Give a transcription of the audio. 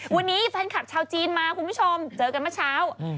วันนี้แฟนคลับชาวจีนมาคุณผู้ชมเจอกันเมื่อเช้า